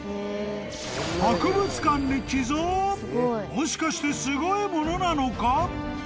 ［もしかしてすごいものなのか？］